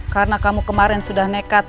karena kamu kemarin sudah nekat